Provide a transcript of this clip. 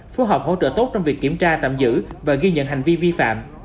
phù hợp hỗ trợ tốt trong việc kiểm tra tạm giữ và ghi nhận hành vi vi phạm